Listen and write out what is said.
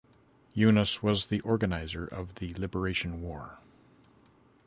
Yunus was the organizer of the liberation war.